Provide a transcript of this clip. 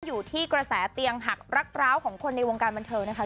อยู่ที่กระแสเตียงหักรักร้าวของคนในวงการบันเทิงนะคะ